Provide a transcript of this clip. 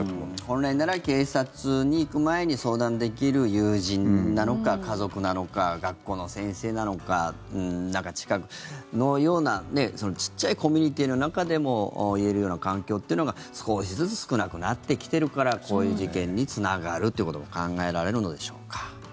本来なら警察に行く前に相談できる友人なのか、家族なのか学校の先生なのかちっちゃいコミュニティーの中でも言えるような環境というのが少しずつ少なくなってきているからこういう事件につながるということも考えられるのでしょうか。